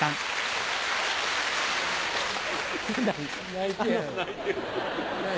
泣いてる。